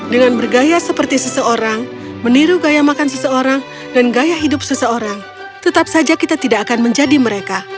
dengan bergaya seperti seseorang meniru gaya makan seseorang dan gaya hidup seseorang tetap saja kita tidak akan menjadi mereka